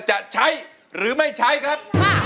จะใช้หรือไม่ใช้ครับ